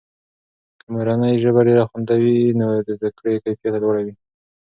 که مورنۍ ژبه ډېره خوندي وي، نو د زده کړې کیفیته لوړه وي.